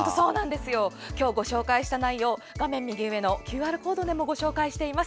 今日ご紹介した内容は画面右上のＱＲコードからもご紹介しています。